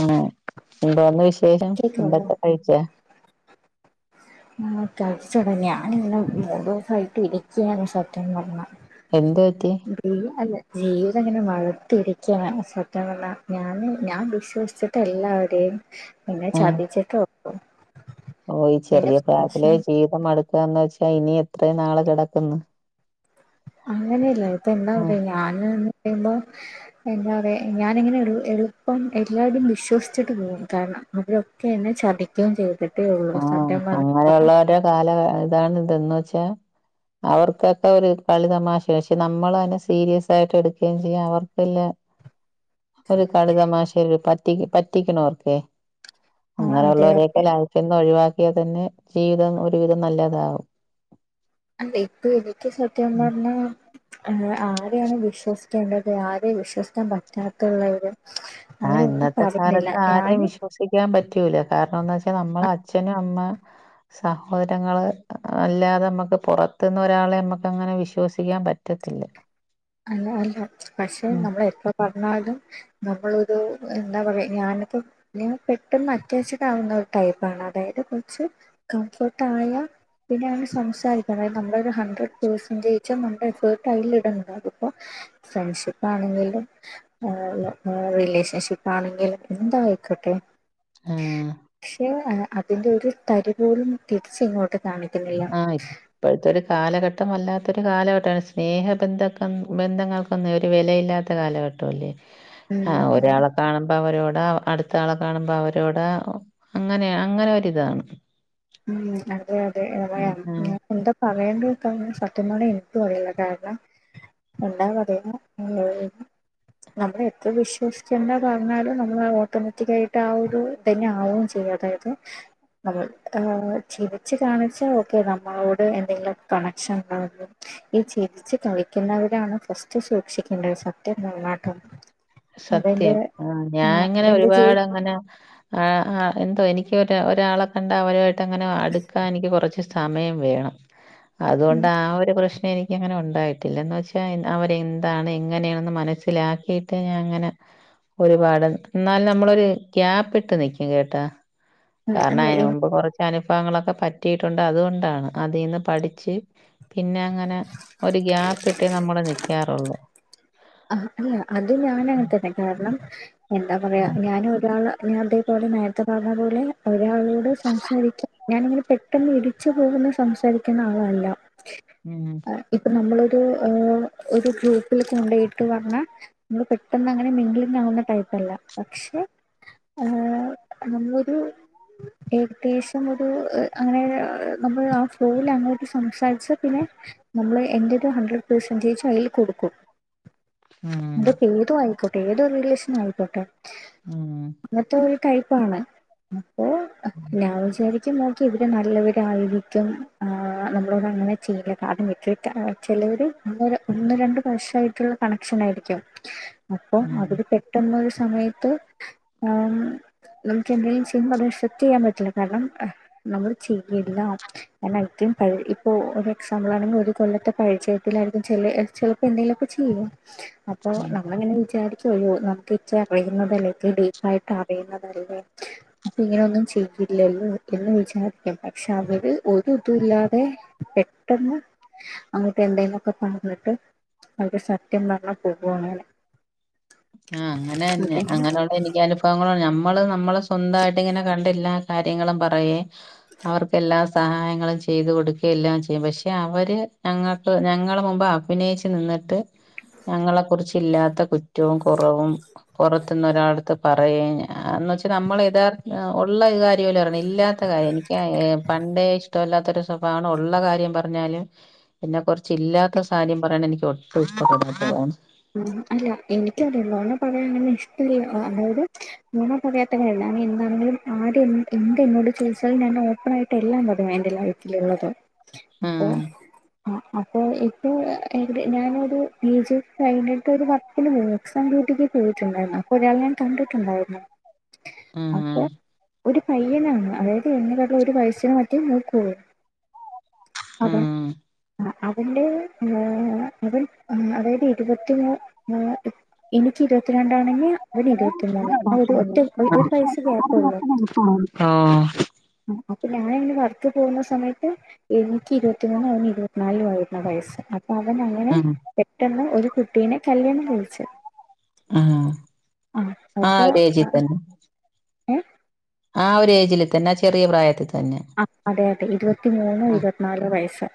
ആ എന്താന്ന് വിശേഷം കേക്കാവോ ഫുഡെക്കെ കഴിച്ചോ? ഉം കഴിച്ചൊടങ്ങി ഞാനിങ്ങ മൂഡോഫായിട്ട് ഇരിക്യാണ് സത്യം പറഞ്ഞ എന്ത് പറ്റി ഇല്ല അല്ല ജീവിതം ങ്ങനെ മടിത്തിയിരിക്കാണ് സത്യം പറഞ്ഞാ ഞാന് ഞാൻ വിശ്വസിച്ച് ട്ട് എല്ലാവ്ടേയും പിന്നെ ചതിച്ചിട്ടോ ഓ ഈ എന്റെ ചെറിയ ഫ്രണ്ട്സ് പ്രായത്തിലെ ജീവിതം മടക്കാന്ന് വെച്ചാ ഇനി എത്ര നാള് കിടക്കുന്ന് അങ്ങനെയല്ല ഇപ്പ ഉം എന്താന്നറിയൊ ഞ്ഞാന് ന്ന് പറയുമ്പോ എന്താറിയ ഞാനിങ്ങനെ എള് എളുപ്പം എല്ലാരുടെയും വിശ്വസിച്ചിട്ട് പോകും കാരണം [unintelligible] ക്കെ എന്നെ ചതിക്കും ചെയ്തിട്ടേ ഒള്ളൂ ആഹ് സത്യം പറ അങ്ങനെയുള്ളവരുടെ കാല അതാണ് ഇതെന്ന് വെച്ചാ അവർക്കൊക്കെ ഒരു കളി തമാശ പക്ഷെ നമ്മളന്നെ സീര്യസായിട്ട് എടുക്കുകയും ചെയ്യാം അവർക്ക്ല്ല ഒര് കളിതമാശയില് പറ്റി പറ്റിക്ക്ണോർക്കെ അതെ അതെ അങ്ങനെള്ളവരെയൊക്കെ ലൈഫിന്ന് ഒഴിവാക്കിയാ തന്നെ ജീവിതം ഒരുവിധം നല്ലതാകും. ലൈഫ് എനിക്ക് സത്യം പറഞ്ഞാ ആരെയാണ് വിശ്വസിക്കേണ്ടത് ആരെ വിശ്വസിക്കാൻ പറ്റാത്തുള്ളത് ആ ഇന്നത്തെ കാലത്ത് ആരെയും വിശ്വ സിക്കാൻ പറ്റൂല കാരണം എന്ന് വെച്ചാ നമ്മളെ അ- അച്ഛനും അമ്മ സഹോദരങ്ങള് അല്ലാതെ നമക്ക് പെറത്ത്ന്ന് ഒരാളെ നമക്കങ്ങനെ വിശ്വസിക്കാൻ പറ്റ് പറ്റത്തില്ലല്ലോ അല്ല അല്ല പക്ഷെ നമ്മള് എപ്പ പറഞ്ഞാലും നമ്മളൊരു എന്താ പറയാ ഞാന്പ്പോ ഞാൻ പെട്ടെന്ന് അറ്റാച്ചഡ് ആവുന്ന ഒരു ടൈപ്പാണ് അതായത് കൊറച്ച് കംഫേർട്ടായ പിന്നെ നമ്മള് സംസാരിക്കണം നമ്മളൊരു ഹൺഡ്രഡ് പേർസന്റോജും നമ്മടെ എഫേട്ട് അയ്ലിടണം പ്പം ഫ്രണ്ട്ഷിപ്പ് ആണങ്കിലും ആഹ് റിലേഷൻഷിപ്പാണങ്കിലും എന്തായിക്കോട്ടെ ആഹ് പക്ഷെ അതിന്റെ ഒരു തരി പോലും തിരിച്ച് ഇങ്ങോട്ട് കാണിക്കുന്നില്ല ആ ഇപ്പഴത്തെ ഒരു കാലഘട്ടം വല്ലാത്തൊരു കാലഘട്ട സ്നേഹ ബന്ധക്കെ ബന്ധങ്ങൾ ഇപ്പന്നും ഒരു വെലയില്ലാത്ത കാലഘട്ടമല്ലേ ആ ഉം ഒരാള് കാണുമ്പോ അവരോട് അടുത്ത ആളെ കാണുമ്പോ അവരോട് അങ്ങന അങ്ങന ഒരിതാണ് ഉം അതെ അതെ ഉം ഏറെണ് ഉം എന്താ പറയേണ്ടത്പ്പം സത്യം പറഞ്ഞാ എനിക്ക് അറിയില്ല കാരണം കണ്ടാ പറിയില്ല [unintelligible] നമ്മള് എത്ര വിശ്വസിക്കേണ്ട പറഞ്ഞാലും നമ്മള് ഓട്ടോമാറ്റക് ആയിട്ട് ആ ഒരു തന്നെ ആവും ചെയ്യും അതായത് നമ്മള് ആഹ് ചിരിച്ച് കാണിച്ചാ ഓക്കെ നമ്മളോട് എന്തെങ്കിലും കണക്ഷൻ ഇണ്ടാവോ ഈ ചിരിച്ചു കളിക്കുന്നവരാണ് ഫസ്റ്റ് സൂക്ഷിക്കേണ്ടത് സത്യം പറഞ്ഞാട്ടൊ സത്യം ആ ഞാനങ്ങനെ അതെന്റെ ജീവി ഒരുപാട് അങ്ങന ആഹ് ആഹ് എന്തോ എനിക്ക് ഒരാ ഒരാളെ കണ്ട അവരുമായിട്ട് അങ്ങനെ അടുക്കാൻ എനിക്ക് കൊറച്ച് സമയം വേണം ഉം അതോണ്ട് ആ ഒര് പ്രശ്നേ എനിക്കങ്ങനെ ഉണ്ടായിട്ടില്ല എന്ന് വെച്ചാ അവര് എന്താണ് എങ്ങനെണ്ന്ന് മനസ്സിലാക്കി ത് ഞാനങ്ങനെ ഒരുപാട് ന്നാലും നമ്മളൊര് കേപ്പ്ട്ട് നിക്കും കേട്ടോ ഉം കാരണം അല്ല അയ്ന് എനി മുമ്പ് കൊറച്ച് അനുഭവങ്ങളൊക്കെ പറ്റിയിട്ടുണ്ട് അതുകൊണ്ടാണ് അതിന്ന് പഠിച്ച് പിന്നെ അങ്ങനെ ഒരു ഗ്യാപ്പ് ഇട്ടേ നമ്മള് നിക്കാറൊള്ളൂ അല്ല അത് ഞാനങ്ങനെ തന്നെ കാരണം എന്താ പറയാ ഞാന് ഒരാള് ഞാൻ അതേപോലെ നേരത്തെ പറഞ്ഞ പോലെ ഒരാളോട് സംസാരിക്കാം ഞാനിങ്ങനെ പെ പെട്ടെന്ന് ഇടിച്ചു പോകുന്ന സംസാരിക്കുന്ന ആളല്ല ഉം ഇപ്പൊ നമ്മളൊരു ഒരു ഗ്രൂപ്പിൽ കൊണ്ടോയിടു പറഞ്ഞ നമ്മള് പെട്ടെന്ന് അങ്ങനെ മിംഗലിങ് ആകുന്ന ടൈപ്പല്ല പക്ഷെ ആ നമ്മളൊരു ഏകദേശം ഒരു അങ്ങനെ നമ്മൾ ആ ഫ്ലോയിൽ അങ്ങോട്ട് സംസാരിച്ച പിന്നെ നമ്മള് എന്റെ ഒരു ഹൺഡ്രഡ് പെർസെൻറേജും അതിൽ കൊടുക്കും ഉം. ഇതപ്പോ ഏതോ ആയിക്കോട്ടെ ഏതൊ റിലേഷനോ ആയിക്കോട്ടെ ഉം. അങ്ങനത്തെ ഒരു ടയിപ്പാണ് അപ്പോ ഞാൻ വിചാരിക്ക ഒറ്റ നോക്കി ഇതിൽ നല്ലവരായിരിക്കും ആ നമ്മളോട് അങ്ങനെ ചെയ്യില്ല അത് വച്ചിട്ടല്ലേ ചിലവര് ഒന്ന് ര ഒന്ന് രണ്ട് വർഷയിട്ടുള്ള കണക്ഷൻ ആയിരിക്കും അപ്പോ ഉം. അവര് പെട്ട ട്ടന്ന് ഒരു സമയത്ത് ഏ നമുക്ക് എന്തെങ്കിലും ചെയ്യുമ്പോൾ അത് അക്‌സെപ്റ്റ് ചെയ്യാൻ പറ്റില്ല കാരണം അ നമ്മള് ചെയ്യില്ല [unintelligible] ഇപ്പൊ ഒരു എക്സാമ്പിൾ ആണെങ്കിൽ ഒരു കൊല്ലത്തെ പരിചയത്തിലായിരിക്കും ചില ചിലപ്പോ എന്തെങ്കിലും പ്പൊ ചെയ്യ അപ്പൊ ഉം. നമ്മളിങ്ങനെ വിചാരി ചെയ്യോ നമുക്ക് ഇച്ച അറിയുന്നതല്ലേ ഇത്ര ഡീപ്പായിട്ട് അറിയുന്നതല്ലേ അപ്പൊ ഇങ്ങനെൊന്നും ചെയ്യില്ലല്ലോ എന്ന് വിചാരിക്കും പക്ഷെ അവര് ഒരിതും ഇല്ലാതെ പെട്ടെന്ന് അങ്ങോട്ട് എന്തേലുഒക്കെ പറഞ്ഞിട്ട് അവര് സത്യം പറഞ്ഞാൽ പോകുവങ്ങനെ ആ അങ്ങനെ ന്നെ അങ്ങനെയുള്ള എനിക്ക് അനുഭവങ്ങള് നമ്മള് നമ്മള് സ്വന്തായിട്ട് ഇങ്ങനെ കണ്ടില്ല കാര്യങ്ങള് പറയെ അവർക്കെല്ലാ സഹായങ്ങളും ചെയ്തു കൊടുക്കേം എല്ലാം ചെയ്യും പക്ഷെ അവര് ഞങ്ങൾക്ക് ഞങ്ങളെ മുമ്പെ അഭിനയിച്ചു നിന്നിട്ട് ട്ട് ഞങ്ങളെ കുറിച്ചില്ലാത്ത കുറ്റോം കൊറവും പൊറത്തുന്നൊരാൾടെടെത്തു പറയേം ന്നു വെച്ചാ നമ്മളെ യഥാർത്ഥ ഒള്ള ഒരു കാര്യം ഇല്ലാത്ത കാര്യം എനിക്ക് പണ്ടേ ഇഷ്ടല്ലാത്തൊരു സ്വഭമാ ഉള്ള കാര്യം പറഞ്ഞാലും എന്നെ കുറിച്ച് ഇല്ലാത്ത സാര്യം പറയണത് എനിക്ക് ഒട്ടും ഇഷ്ടപ്പെടാത്തതാണ് അല്ല എനിക്കറിയ നൊണ പറയണത് ഇഷ്ടല്യ അതായത് നൊണ പറയാത്തയല്ല അവൻ എന്താണങ്കിലും ആര് എന്ത് എന്നോട് ചോയ്ച്ചാലും ഞാൻ ഓപ്പൺ ആയിട്ട് എല്ലാം പറയും എന്റെ ലൈഫ് ലുള്ളതാ അപ്പോ ആഹ് ആ അപ്പോ എപ്പോഏകദേ ഞാനൊരു ഏജ് കഴിഞ്ഞിട്ട് ഒരു വർക്കിന് പോയി എക്സാം ഡ്യൂട്ടിക്ക് പോയിട്ടുണ്ടായിരുന്നു അപ്പൊഴാ ഞാൻ കണ്ടിട്ടുണ്ടായിരുന്നു മ് അപ്പൊ ഒരു പയ്യനാണ് അതായത് എന്നെ ക്കാട്ടി ഒരു വയസിനു മറ്റേ മൂക്കൊള്ളൂ അതെ ഉം ആഹ് അവന്റെ അവൻ അതായത് ഇരുപത്തിനാ നാ എനിക്ക് ഇരുപത്തിരണ്ടാണെങ്കിൽ അവന് ഇരുപത്തി മൂന്ന് ആ ഒര്‌ ഒറ്റ ഒരു ഒരു വയസ്സ് ഗ്യാപ്പുള്ളു ആ ഹാ ആ അപ്പൊ ഞാനിന്ന് വർക്ക് പോകുന്ന സമയത്ത് ഇവ ക്ക് ഇരുപത്തി മൂന്നും അവന് ഇരുപത്തിനാലും ആയിരുന്ന്‌ വയസ് അവൻ അങ്ങനെ ഉം പെട്ടെന്ന് ഒരു കുട്ടീനെ കല്യാണം കഴിച്ച് ഉം ആഹ് ആ അപ്പൊ ഒരു ഏജിൽ അ തന്നെ ഏ ആ ഒരു ഏജിൽ തന്നെ ആ ചെറിയ പ്രായത്തിൽ തന്നെ ആ അതെ അതെ ഇരുപത്തി മൂന്നും ഇരുപത്തിനാലോ വയസ്സ്‌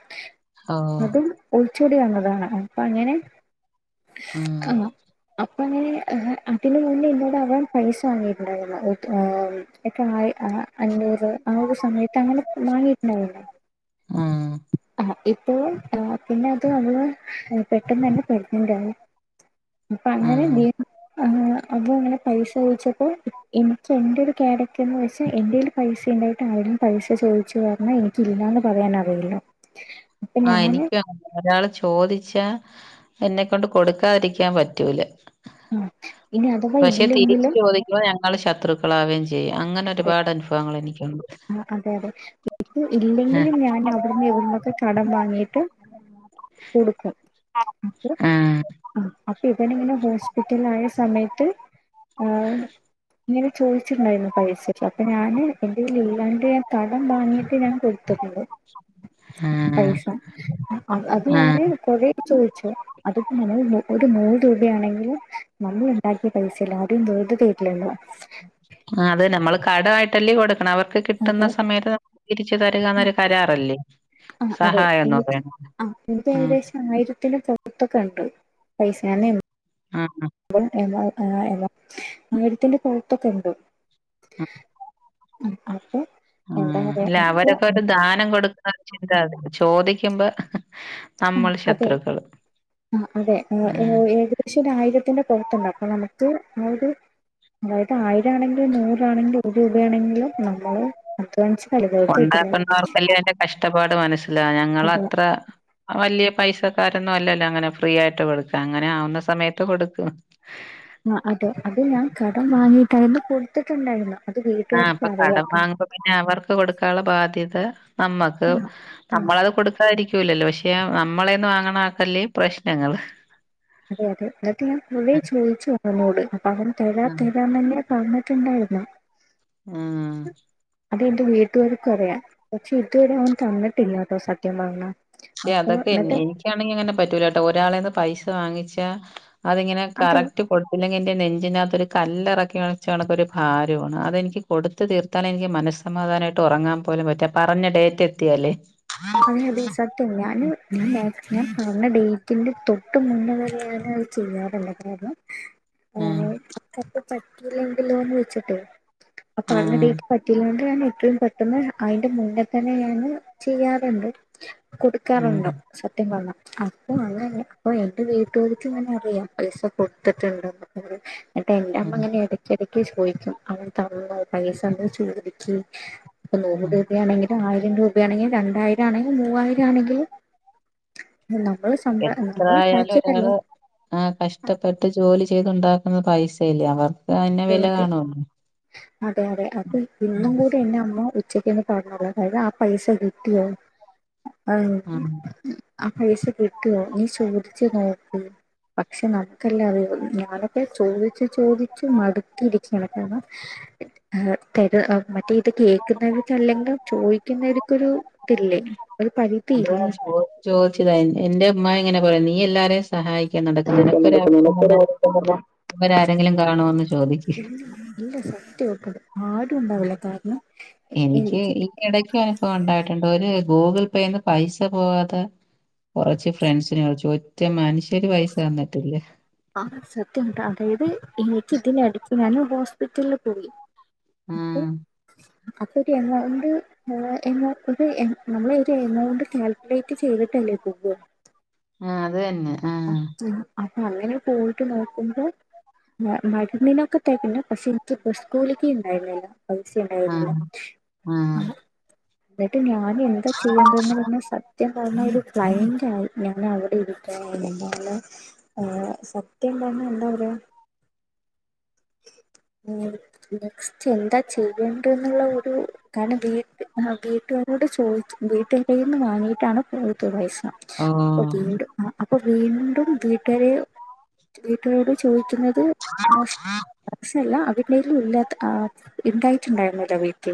ഓ അതും ഒളിച്ചോടി വന്നതാണ് അപ്പൊ അങ്ങനെ ഉം ആ അപ് അങ്ങനെ അതിന് മുന്നേ എന്നോടവൻ പൈസ വാങ്ങിയിട്ടുണ്ടായിരുന്നു എത്ര ഏഹ് എത്ര ആയി ആ അഞ്ഞൂറ് ആ ഒരു സമയ ഉപ്പ് മാങ്ങാ ഇട്ട് അവിടെ ഉം ആഹ്. ഇപ്പോൾ പിന്നെ അത് അവള് ഏ പെട്ടെന്ന് തന്നെ പ്രെഗ്നന്റ് ആയി അപ്പ അങ്ങനെ ഉം ലീ ആഹ് അപ്പോ അങ്ങനെ പൈസ ചോയിച്ചപ്പ ഇൻക്ക് എന്റെ ഒരു ക്യാരക്ടർന്ന് വെച് എന്റെയ്ല് പൈസേണ്ടായിട്ട് ആരും പൈസ ചോദിച്ചു വന്നാൽ എനിക്കില്ലാന്ന് പറയാനറിയില്ല. ആഹ് എനിക്കും ' ഒരാള് ചോദിച്ചാ എന്നെക്കൊണ്ട് കൊടുക്കാതിരിക്കാൻ പറ്റൂല. ആ ഇനി അഥവാ പക്ഷെ തിരിച്ച് ഇല്ലെങ്കിലും ചോദിക്കുമ്പോ ഞങ്ങൾ ശത്രു ക്കളാവേം ചെയ്യും അങ്ങനെ അതെ ഒരുപാട് അനുഫവങ്ങൾ എനിക്കുണ്ട്. ഇപ്പോ ആ ഇല്ലെങ്കിലും ഞാൻ അവിട്ന്ന് ഇവ്ട്ന്നൊക്കെ. കടം വാങ്ങിട്ട് കൊടുക്കും അപ്പൊ ആ അ അപ്. ഇവൻ ഇങ്ങനെ ഹോസ്പിറ്റല് ആയ സമയത്ത് ആ ഇങ്ങനെ ചോച്ച്ണ്ടായിരുന്നു. പൈസ അപ്പൊ ഞാന് എന്റേല് ഇല്ലാണ്‌ട്ട് ഞാൻ കടം വാങ്ങിയിട്ട് ഞാൻ കൊടുത്തിട്ട്ണ്ട്. ആ പൈസ അത് ആ ഞാന് കുറേ ചോയ്ച്ചു അതിപ്പോ മൂ ഒരു നൂറ് രൂപയാണെങ്കിലും നമ്മള് ഉണ്ടാക്കിയ പൈസല്ലെ. ആരും വെറ്തെ തെരില്ലല്ലോ. ആഹ് അതന്നെ നമ്മള് കടമായിട്ട്ല്ലേ കൊടുക്കണേ അവർക്ക്. കിട്ടുന്ന അതെ സമയത്ത് നമുക്ക് തിരിച്ചു തര്കന്നൊരു കരാറല്ലേ. സഹായംന്ന് പറയന്നത് ആ ഇൻക്ക് ഏകദേശം ആയിരത്തിന്റെ പുറത്തൊക്കെ ഇണ്ട് പൈസ ഞാൻ ആഹ് അ [unintelligible] ആയിരത്തിന്റെ പുറത്തൊക്കെ ഉണ്ട് ഉംഹ് അപ്പൊ ആഹ് എന്താ പറയാ ഇല്ല അപ്പൊ അവരൊക്കെ ഒരു ദാനം കൊടുക്കുന്ന ചിന്ത അത് ചോദിക്കുമ്പോ. ആഹ് നമ്മൾ അതെ ശത്രുക്കള് ആഹ് അതെ ഏ ഏ ഉം ഏത് പക്ഷെ ഒരു ആയിരത്തിന്റെ പൊറത്തുണ്ട് അപ്പൊ നമുക്ക് ആ ഒരു. അതായത് ആയിരം ആണെങ്കിലും നൂറാണെങ്കിലും ഒരു രൂപയാണെങ്കിലും നമ്മള്. അധ്വാനിച്ചതല്ലെ. ഉണ്ടാക്കുന്നവർക്കല്ലേ അതിന്റെ കഷ്ടപ്പാട് മനസ്സിലാവു അതെ ഞങ്ങളത്ര. അ വലിയ പൈസക്കാരൊന്നും അല്ലല്ലോ അങ്ങനെ ഫ്രീ ആയിട്ട് കൊടുക്കാൻ. അങ്ങനെ ആവുന്ന സമയത്ത് കൊടുക്കും. ആഹ് അതെ അത് ഞാൻ കടം വാങ്ങിയിട്ടായിരുന്നു കൊടുത്തിട്ടുണ്ടായിരുന്ന അത് ആഹ് അപ്പൊ കടം വീട്ടുക്കാർക്കറിയപ്പം. വാങ്ങുമ്പോ പിന്നെ അവർക്ക് കൊടുക്കാനുള്ള ബാധ്യത നമ്മുക്ക് ആഹ് ആ നമ്മളത് കൊടുക്ക. ക്കാരിക്കൂല്ലല്ലോ പക്ഷെ നമ്മളെന്ന് വാങ്ങണ ആക്കല്ലേ പ്രശ്നങ്ങൾ. അതെ അതെ എന്നിട്ട് ഞാൻ കുറെ ചോദിച്ചുഅവന്നോട് അപ്പൊ അവൻ തരാ തെരാ ന്നെയ. പറഞ്ഞ്ട്ട്ണ്ടായിരുന്നേ. മ്മ്മ് അത് എന്റെ വീട്ടുകാർക്കും അറിയാം പക്ഷെ ഇത് വരെ അവൻ തന്നിട്ടില്ല കേട്ടോ സത്യം പറഞ്ഞാ. ക്ഷെ അതൊക്കെ എനി എനിക്കാണെങ്കി അങ്ങനെ പറ്റൂല ട്ടോ ഒരാളേന്ന് പൈസ വാങ്ങിച്ചാ. അതിങ്ങനെ അതെ കറക്റ്റ്. കൊടുത്തില്ലെങ്കിൽ എൻ്റെ നെഞ്ചിനകത്ത് ഒരു കല്ലറക്കി വച്ച കണക്ക് ഒരു ഭാരവാണ് അതെനിക്ക് കൊടു. ത്ത് തീർത്താലെ എനിക്ക് മനസ്സമാധാനമായിട്ട് ഉറങ്ങാൻ പോലും പറ്റാ പറഞ്ഞ ഡേറ്റ് എത്തിയാല്ലേ. അതെടി സത്യം ഞാന് ഞാൻ വേ. ഞാൻ പറഞ്ഞ ഡേറ്റിന്റെ തൊട്ട് മുന്നേ വരെ ഞാൻ അത് ചെയ്യാറില്ല കാര്യം. ഉംഹ്. ചെലപ്പോ പറ്റൂലേങ്കിലന്ന് വെച്ചിട്ട് അപറഞ്ഞ ആഹ് ഡേറ്റ് പറ്റില്ലണ്ട. [unintelligible] പെട്ടന്ന് അതിന്റെ മുന്നേ തന്നെ ഞാന് ചെയ്യാറ്ണ്ട്. ഉം കൊടുക്കാറുണ്ട് സത്യം പറഞ്ഞ. അപ്പൊ അങ്ങനെ അപ്പൊ എന്റെ വീട്ടുകാര്ക്ക് ഇങ്ങനെ അറിയാം പൈസ കൊടുത്തിട്ടുണ്ടന്ന്. എന്നിട്ട് എന്റെറ അമ്മ ഉം ഉം ഇങ്ങനെ ഇടയ്ക്ക ഇടക്ക് ചോയ്ക്കും അവൻ തന്നോ പൈസ നീ ചോദിക്ക്. ഇപ്പൊ നൂറ് ഉം രൂപയാണെങ്കിലും ആയിരം രൂപയാണെങ്കിലും രണ്ടായിരം ആണെങ്കിലും മൂവായിരം ആണെങ്കിലും. നമ്മള് സ്വന്ത നമ്മൾണ്ടാക്കിയതല്ലേ. ആ കഷ്ടപ്പെട്ട് ജോലി ചെയ്തുണ്ടാക്കുന്ന പൈസയല്ലേ അവർ. തെ അതെ അതെ അതെ അപ്പൊ ഇന്നും കൂടെ എന്റെ അമ്മ ഒത്ത്. ഉച്ചക്കെന്നെ പറഞ്ഞൂടെ കയ്ഞ ആ പൈസ കിട്ടിയോ ആഹ് ആ പൈസ കിട്ടുവോ നീ ചോദിച്ച് നോക്ക് പക്ഷെ നമുക്കല്ലെ അറിയൊള്ളു ഞാനൊക്കെ ചോയ്ച്ച് ചോദി ദിച്ചു മടുത്തിര്ക്കാണ് എഹ് തര് മ ഇത് കേൾക്കുന്നവർക്കല്ലെങ്കി ചോയ്ക്കുന്നവര്ക്കൊരു തില്ലേ ഒര് പരി ചോദിച്ചു ചോദിച്ച് കഴിഞ്ഞ് എന്റെ ഉമ്മാ ഇങ്ങനെ പറയും നീ എല്ലാരേം സഹായിക്കാൻ നടക്കുന്നേ നിനക്കോരാവശ്യം പറഞ്ഞാ ഇവരരെങ്കിലും കാണോന്ന് ചോദിക്ക ഇല്ല ഇല്ല സത്യായിട്ടും ആരൂണ്ടാവൂല കാരണം എനിക്ക് എടയ്ക്കനുഭവണ്ടായിട്ടുണ്ട് ഒര് ഗൂഗിൾ പേന്ന് പൈസ പോവാതെ കൊറച്ച് ഫ്രണ്ട്സിനെ വിളിച്ച് ഒറ്റ മനുഷ്യര് പൈസ തന്നിട്ടില്ല ആഹ് സത്യം താ അതായത് എനിക്ക്തിനട് ഞാന് ഹോസ്പിറ്റലില് പോയി അപ്പം ആഹ്. അപ്പറ്റ് ഞങ്ങളതോണ്ട് നമ്മള് എമൊ ഒര് നമ്മള് ഒര് എമൗണ്ട് കാൽക്കുലേറ്റ് ചെയ്തിട്ടല്ലേ പോവ ആഹ് അത് തന്നെ ആഹ്. അപ്പൊ അങ്ങനെ പോയിട്ട് നോക്കുമ്പള് മ മരുന്നിനൊക്കെ തെകഞ്ഞു പക്ഷെനിക്ക് ബസ് കൂലിക്ക്ണ്ടായിര്ന്നില്ല പൈസണ്ടായിര്ന്നില്ല ആഹ്. ആഹ്. അഹ് ഇന്നട്ട് ഞാനെ ന്താ ചെയ്യണ്ടന്ന് പറഞ്ഞ സത്യം പറഞ്ഞ ഒരു ക്ലയന്റായി ഞനവിടെ ഇരിക്കാനായി എന്താണ് ഏഹ് സത്യം പറഞ്ഞ എന്താ പറയ? മ്മ് നെക്സ്റ്റ് എന്താ ചെയ്യണ്ട്ന്ന്ള്ള ഒരു കാരണം വീട്ട് ഹാ വീ ട്ടാരോട് ചോയ്ച്ച് വീട്ടാരേന്ന് വാങ്ങീട്ടാണ് പോയത് പൈസ അ അപ്പൊ ഓഹ്. വീണ്ടും അ അപ്പൊ വീണ്ടും വീട്ടരെ വീട്ടരോട് ചോയ്ക്കുന്നത് മോശ അല്ല അവര്ടെേല് ഇല്ലാത്ത ആഹ് ഉണ്ടായിട്ടാണ്ടായിര്ന്നില്ല വീട്ടിൽ